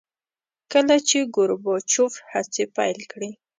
کله چې ګورباچوف هڅې پیل کړې.